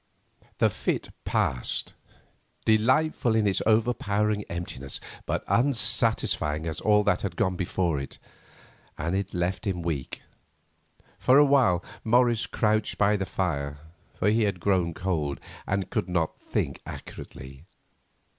The fit passed, delightful in its overpowering emptiness, but unsatisfying as all that had gone before it, and left him weak. For a while Morris crouched by the fire, for he had grown cold, and could not think accurately.